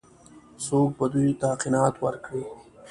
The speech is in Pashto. څوک به دوی ته قناعت ورکړي؟